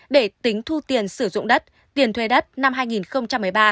để tính thu tiền sử dụng đất tiền thuê đất năm hai nghìn một mươi ba